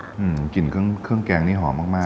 อืมกลิ่นเครื่องแกงนี่หอมมากเลย